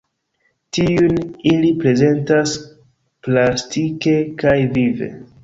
Tiujn ili prezentas plastike kaj vive.